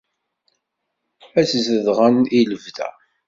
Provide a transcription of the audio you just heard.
Ad tt-zedɣen i lebda.